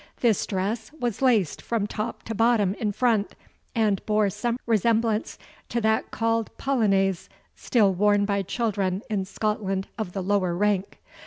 This dress was laced from top to bottom in front, and bore some resemblance to that called Polonaise, still worn by children in Scotland of the lower rank.